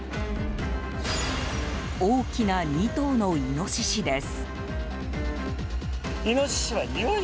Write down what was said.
大きな２頭のイノシシです。